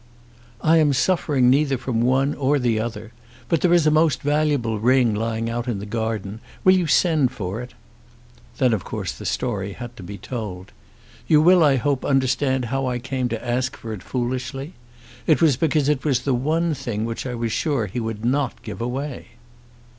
"I am suffering neither from one or the other. But there is a most valuable ring lying out in the garden. Will you send for it?" Then of course the story had to be told. "You will, I hope, understand how I came to ask for it foolishly. It was because it was the one thing which I was sure he would not give away."